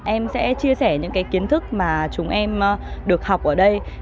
em sẽ chia sẻ những cái kiến thức mà chúng em được học ở đây